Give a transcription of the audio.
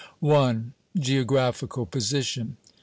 I. _Geographical Position.